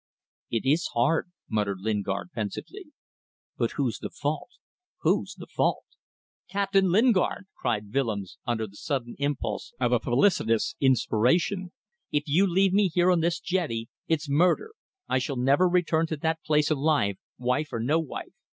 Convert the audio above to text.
"It is hard," muttered Lingard, pensively. "But whose the fault? Whose the fault?" "Captain Lingard!" cried Willems, under the sudden impulse of a felicitous inspiration, "if you leave me here on this jetty it's murder. I shall never return to that place alive, wife or no wife.